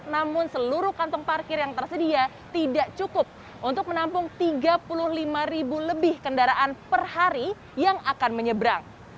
namun seluruh kantong parkir yang tersedia tidak cukup untuk menampung tiga puluh lima ribu lebih kendaraan per hari yang akan menyeberang